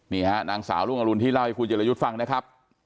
นี่ฮะนางสาวรุ่งอรุณที่เล่าให้คุณเจรยุทธ์ฟังนะครับ